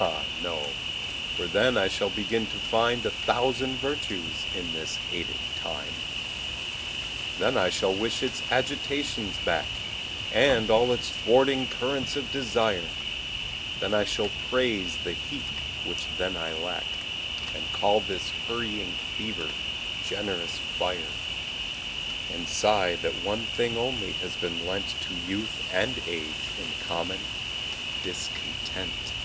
Ah no, for then I shall begin to find A thousand virtues in this hated time! Then I shall wish its agitations back, And all its thwarting currents of desire; Then I shall praise the heat which then I lack, And call this hurrying fever, generous fire; And sigh that one thing only has been lent To youth and age in common discontent.